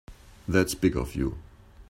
That's big of you.